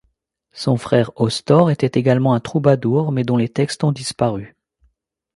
Son frère Austor était également un troubadour mais dont les textes ont disparu.